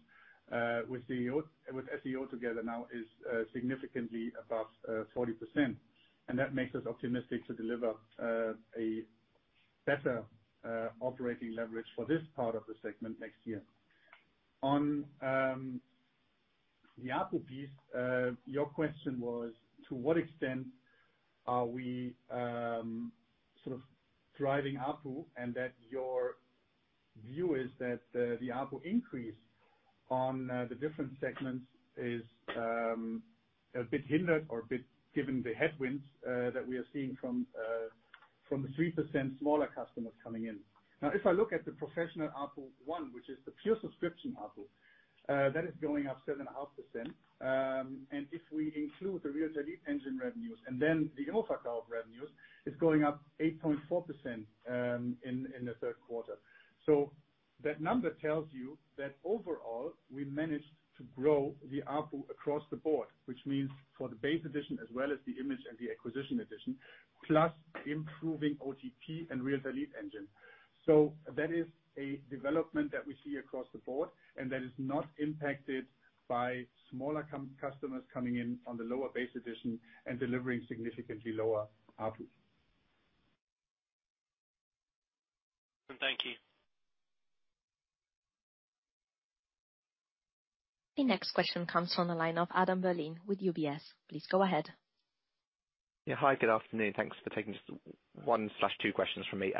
with SEO together now is significantly above 40%. That makes us optimistic to deliver a better operating leverage for this part of the segment next year. On the ARPU piece, your question was to what extent are we sort of driving ARPU and that your view is that the ARPU increase on the different segments is a bit hindered or a bit given the headwinds that we are seeing from the 3% smaller customers coming in. Now, if I look at the professional ARPU one, which is the pure subscription ARPU, that is going up 7.5%. If we include the Realtor Lead Engine revenues and then the ImmoVerkauf24 revenues, it's going up 8.4% in the third quarter. That number tells you that overall, we managed to grow the ARPU across the board. Which means for the Base Edition as well as the Image Edition and the Akquise-Edition, plus improving OTP and Realtor Lead Engine. That is a development that we see across the board, and that is not impacted by smaller customers coming in on the lower Base Edition and delivering significantly lower ARPU. Thank you. The next question comes from the line of Adam Berlin with UBS. Please go ahead. Yeah. Hi, good afternoon. Thanks for taking one or two questions from me.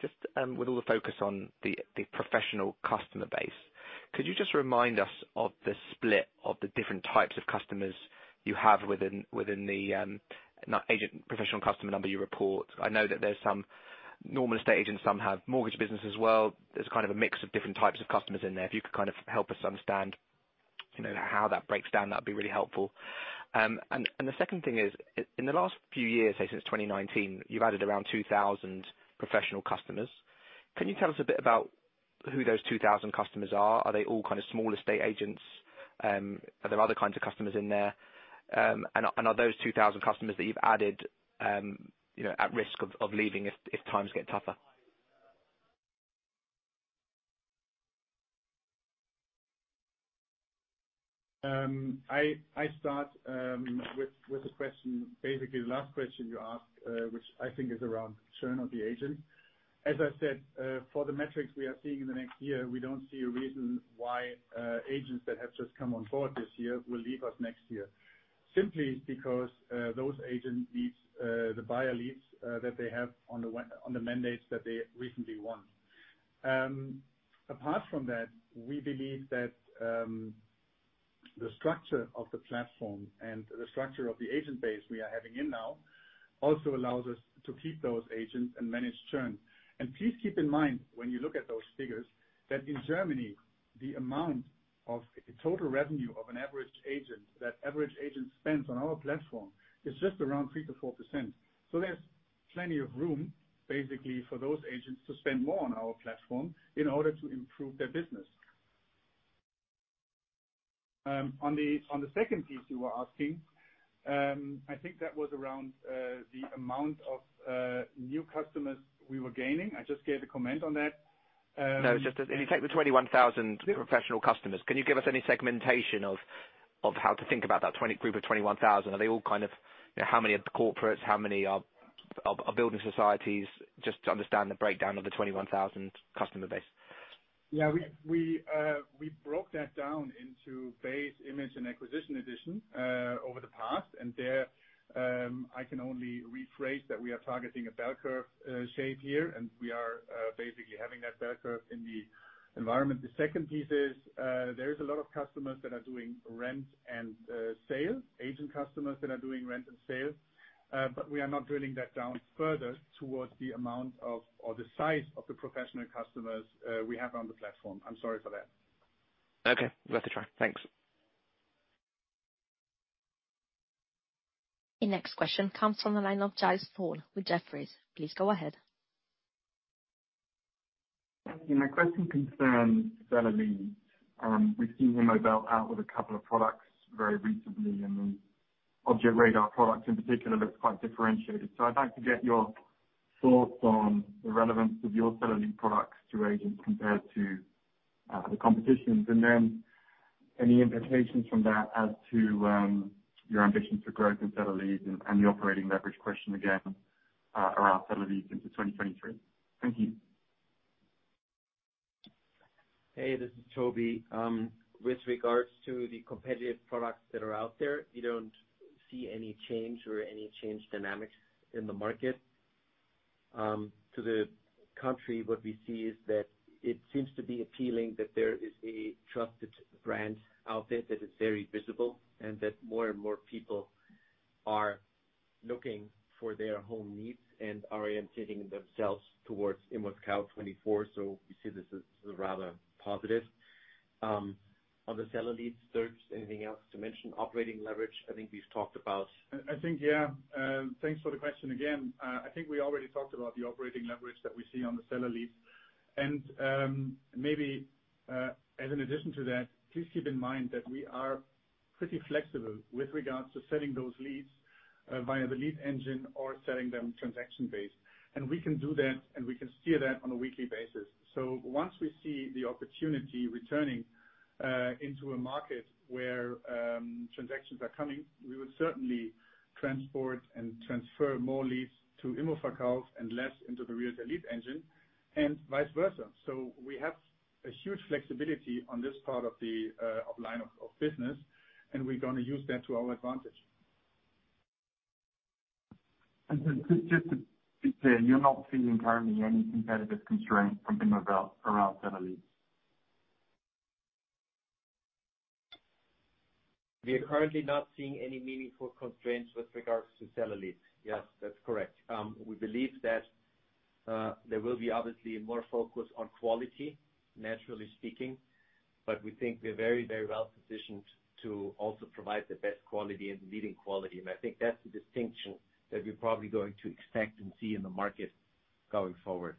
Just, with all the focus on the professional customer base, could you just remind us of the split of the different types of customers, you have within the agent professional customer number you report? I know that there's some normal estate agents, some have mortgage business as well. There's kind of a mix of different types of customers in there. If you could kind of help us understand, you know, how that breaks down, that'd be really helpful. The second thing is, in the last few years, say since 2019, you've added around 2,000 professional customers. Can you tell us a bit about who those 2,000 customers are? Are they all kind of small estate agents? Are there other kinds of customers in there? Are those 2,000 customers that you've added, you know, at risk of leaving if times get tougher? I start with the question, basically the last question you asked, which I think is around churn of the agent. As I said, for the metrics we are seeing in the next year, we don't see a reason why agents that have just come on board this year will leave us next year. Simply because those agent leads, the buyer leads that they have on the mandates that they recently won. Apart from that, we believe that the structure of the platform and the structure of the agent base we are having in now also allows us to keep those agents and manage churn. Please keep in mind when you look at those figures, that in Germany, the amount of total revenue of an average agent, that average agent spends on our platform is just around 3%-4%. There's plenty of room, basically, for those agents to spend more on our platform, in order to improve their business. On the second piece you were asking, I think that was around the amount of new customers we were gaining. I just gave a comment on that. No, just if you take the 21,000 professional customers, can you give us any segmentation of how to think about that group of 21,000? How many are corporates? How many are building societies? Just to understand the breakdown of the 21,000 customer base. Yeah. We broke that down into Base-Edition, Image Edition, and Acquisition-Edition over the past. There, I can only rephrase that we are targeting a bell curve shape here, and we are basically having that bell curve in the environment. The second piece is, there is a lot of customers that are doing rent and sale. Agent customers that are doing rent and sale, but we are not drilling that down further towards the amount of or the size of the professional customers we have on the platform. I'm sorry for that. Okay. Worth a try. Thanks. The next question comes from the line of Giles Thorne with Jefferies. Please go ahead. Thank you. My question concerns Selly. We've seen Immowelt out with a couple of products very recently and- Objekt-Radar products in particular looks quite differentiated. I'd like to get your thoughts on the relevance of your seller lead products to agents compared to the competition. Then any implications from that as to your ambitions for growth in seller leads and the operating leverage question again around seller leads into 2023. Thank you. Hey, this is Toby. With regards to the competitive products that are out there, we don't see any change or any change dynamics in the market. To the contrary, what we see is that it seems to be appealing that there is a trusted brand out there that is very visible, and that more and more people, are looking for their home needs and are orienting themselves towards ImmoScout24. We see this as rather positive. On the seller leads search, anything else to mention? Operating leverage, I think we've talked about. I think, yeah. Thanks for the question again. I think we already talked about the operating leverage that we see on the seller leads. Maybe as an addition to that, please keep in mind that we are pretty flexible, with regards to selling those leads via the Lead Engine or selling them transaction-based. We can do that, and we can steer that on a weekly basis. Once we see the opportunity returning into a market where transactions are coming, we would certainly transport and transfer more leads to ImmoVerkauf24 and less into the Realtor Lead Engine and vice versa. We have a huge flexibility on this part of the line of business, and we're gonna use that to our advantage. Just to be clear, you're not seeing currently any competitive constraints from ImmoVerkauf24 around seller leads? We are currently not seeing any meaningful constraints with regards to seller leads. Yes, that's correct. We believe that there will be obviously more focus on quality, naturally speaking, but we think we're very, very well positioned to also provide the best quality and leading quality. I think that's the distinction that you're probably going to expect and see in the market going forward.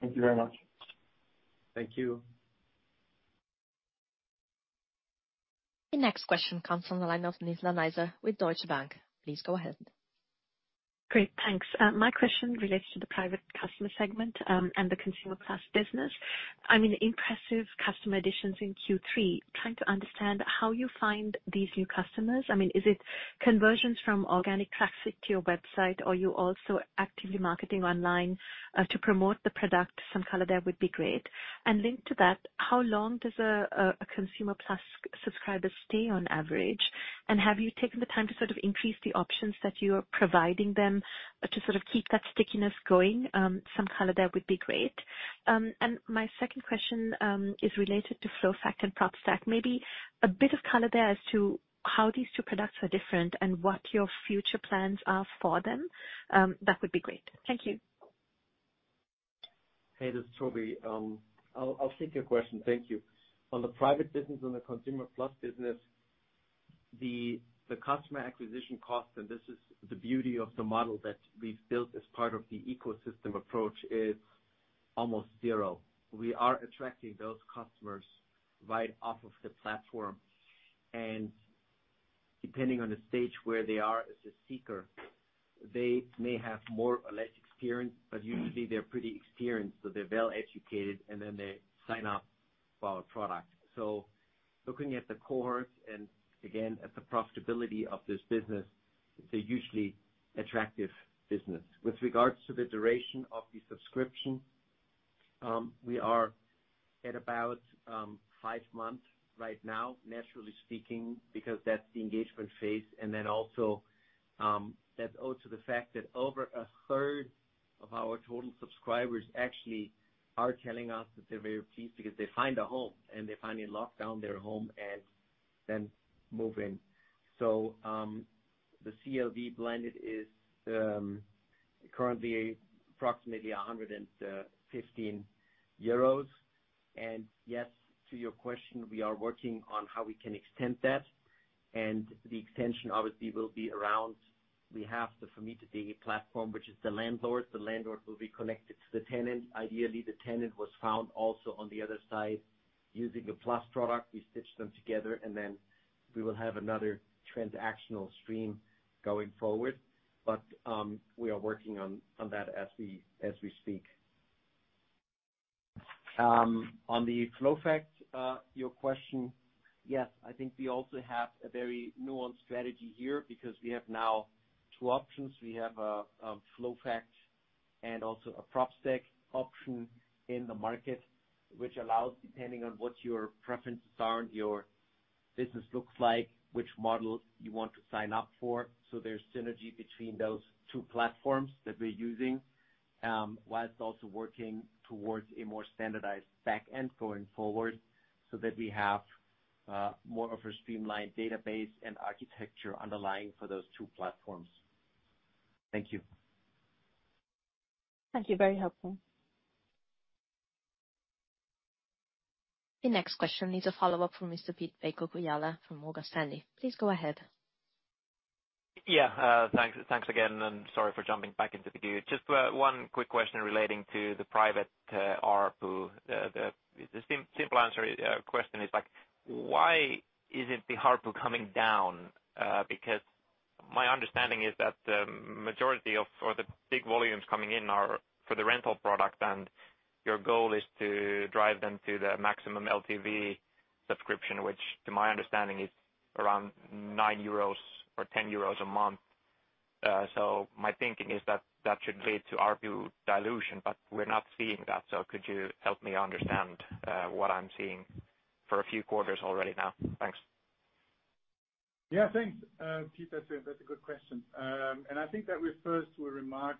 Thank you very much. Thank you. The next question comes from the line of Nizla Naizer with Deutsche Bank. Please go ahead. Great, thanks. My question relates to the private customer segment, and the Plus products business. I mean, impressive customer additions in Q3. Trying to understand how you find these new customers. I mean, is it conversions from organic traffic to your website? Are you also actively marketing online to promote the product? Some color there would be great. And linked to that, how long does a Plus products subscriber stay on average, and have you taken the time to sort of increase the options that you're providing them to sort of keep that stickiness going? Some color there would be great. And my second question is related to Flowfact and Propstack. Maybe a bit of color there as to how these two products are different and what your future plans are for them, that would be great. Thank you. Hey, this is Toby. I'll take your question. Thank you. On the private business and the Consumer Plus business, the customer acquisition cost, and this is the beauty of the model that we've built as part of the ecosystem approach, is almost zero. We are attracting those customers, right off of the platform. Depending on the stage where they are as a seeker, they may have more or less experience, but usually they're pretty experienced, so they're well educated, and then they sign up for our product. Looking at the cohorts and again, at the profitability of this business, it's a hugely attractive business. With regards to the duration of the subscription, we are at about five months right now, naturally speaking, because that's the engagement phase. That's due to the fact that over a third, of our total subscribers actually are telling us that they're very pleased because they find a home and they finally lock down their home and then move in. The CLV blended, is currently approximately 115 euros. Yes, to your question, we are working on how we can extend that, and the extension obviously will be around. We have the Vermietet.de platform, which is the landlord. The landlord will be connected to the tenant. Ideally, the tenant was found also on the other side using a Plus product. We stitch them together, and then we will have another transactional stream going forward. We are working on that as we speak. On the FlowFact, your question. Yes. I think we also have a very nuanced strategy here because we have now two options. We have FlowFact and also a Propstack option in the market, which allows, depending on what your preferences are and your business looks like, which model you want to sign up for. There's synergy between those two platforms that we're using, while also working towards a more standardized back end going forward so that we have more of a streamlined database and architecture underlying for those two platforms. Thank you. Thank you. Very helpful. The next question is a follow-up from Mr. Pete Kujala from Morgan Stanley. Please go ahead. Yeah. Thanks again, and sorry for jumping back into the queue. Just one quick question relating to the private ARPU. The simple answer question is, like, why isn't the ARPU coming down? Because my understanding is that the majority or the big volumes coming in are for the rental product, and your goal is to drive them to the maximum LTV subscription, which, to my understanding, is around EUR nine or 10 euros a month. So my thinking is that that should lead to ARPU dilution, but we're not seeing that. Could you help me understand what I'm seeing for a few quarters already now? Thanks. Yeah, thanks, Peter. That's a good question. I think that refers to a remark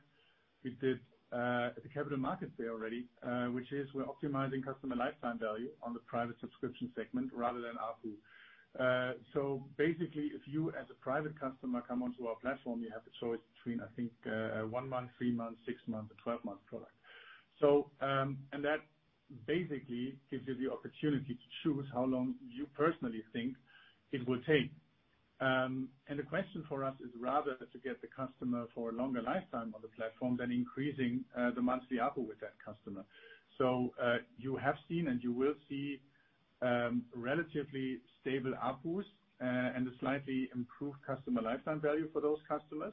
we did at the Capital Markets Day already, which is we're optimizing customer lifetime value on the private subscription segment rather than ARPU. Basically, if you, as a private customer, come onto our platform, you have the choice between, I think, a one-month, three-month, six-month or 12-month product. That basically gives you the opportunity to choose how long you personally think it will take. The question for us is rather to get the customer for a longer lifetime on the platform than increasing the monthly ARPU with that customer. You have seen and you will see, relatively stable ARPUs and a slightly improved customer lifetime value for those customers.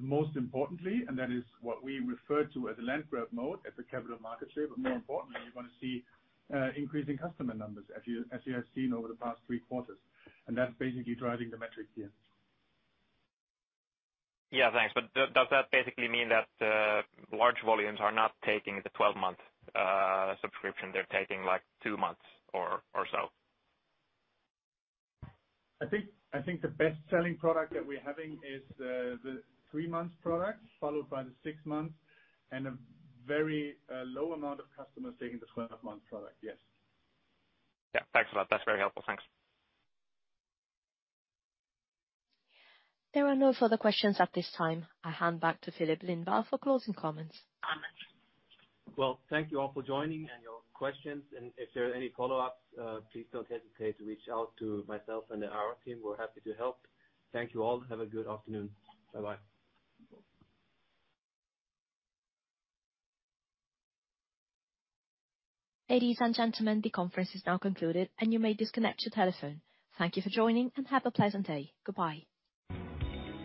Most importantly, that is what we refer to as a land grab mode at the Capital Markets Day, but more importantly, you're gonna see increasing customer numbers as you have seen over the past three quarters. That's basically driving the metric here. Yeah, thanks. Does that basically mean that large volumes are not taking the 12-month subscription, they're taking, like, two months or so? I think the best-selling product that we're having is the three-month product, followed by the six months, and a very low amount of customers taking the 12-month product, yes. Yeah. Thanks for that. That's very helpful. Thanks. There are no further questions at this time. I hand back to Filip Lindvall for closing comments. Well, thank you all for joining and your questions. If there are any follow-ups, please don't hesitate to reach out to myself and our team. We're happy to help. Thank you all. Have a good afternoon. Bye-bye. Ladies and gentlemen, the conference is now concluded, and you may disconnect your telephone. Thank you for joining, and have a pleasant day. Goodbye.